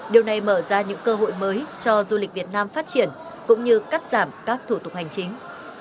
điều này mở ra những cơ hội mới cho du lịch việt nam phát triển cũng như cắt giảm các thủ tục hành chính